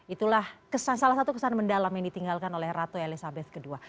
itulah salah satu kesan mendalam yang ditinggalkan oleh ratu elizabeth ii